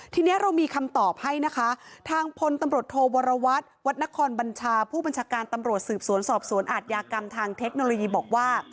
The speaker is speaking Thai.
ทีนี้เรามีคำตอบให้นะคะทางพลตำรวจโทวรวัตรวัดนครบัญชาผู้บัญชาการตำรวจสืบสวนสอบสวนอาทยากรรมทางเทคโนโลยีบอกว่า